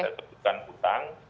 kita tepukan hutang